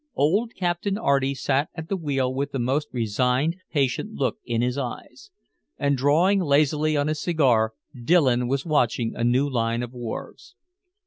Old Captain Arty sat at the wheel with the most resigned patient look in his eyes. And drawing lazily on his cigar Dillon was watching a new line of wharves.